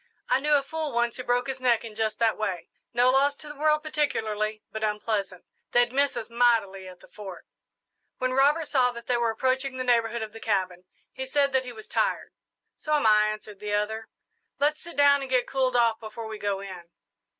"I knew a fool once who broke his neck in just that way. No loss to the world particularly, but unpleasant. They'd miss us mightily at the Fort." When Robert saw that they were approaching the neighbourhood of the cabin, he said that he was tired. "So 'm I," answered the other. "Let's sit down and get cooled off before we go in."